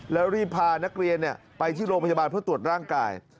แล้วรีบพานักเรียนไปที่โรงพยาบาลเพื่อตรวจร่างกาย